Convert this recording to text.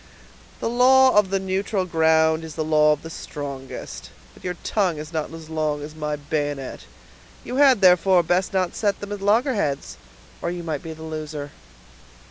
"The law of the neutral ground is the law of the strongest; but your tongue is not as long as my bayonet; you had, therefore, best not set them at loggerheads, or you might be the loser."